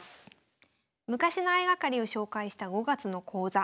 昔の相掛かりを紹介した５月の講座